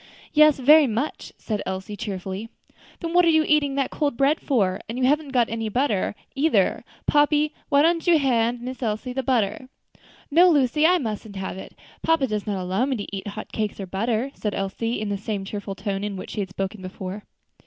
"Yes, very much," said Elsie, cheerfully. "Then what are you eating that cold bread for? and you haven't got any butter, either. Pompey, why don't hand Miss Elsie the butter?" "No, Lucy, I mustn't have it. Papa does not allow me to eat hot cakes or butter," said Elsie, in the same cheerful tone in which she had spoken before.